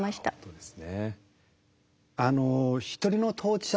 そうですね。